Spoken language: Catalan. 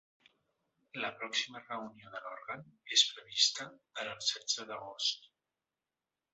La pròxima reunió de l’òrgan és prevista per al setze d’agost.